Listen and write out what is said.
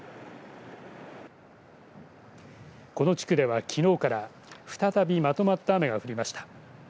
この地区では、きのうから再び、まとまった雨が降りました。